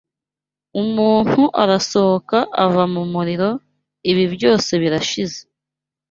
Umuntu arasohoka ava mu muriro: ibibi byose birashize